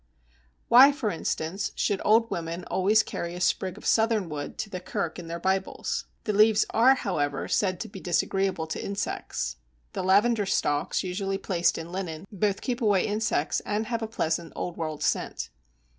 Why, for instance, should old women always carry a sprig of Southernwood to the kirk in their Bibles? The leaves are, however, said to be disagreeable to insects. The Lavender stalks usually placed in linen both keep away insects and have a pleasant old world scent.